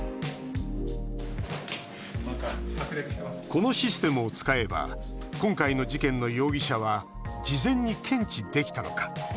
このシステムを使えば今回の事件の容疑者は事前に検知できたのか。